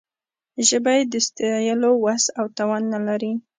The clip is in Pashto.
ژبه یې د ستایلو وس او توان نه لري.